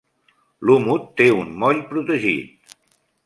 Lumut té un moll protegit.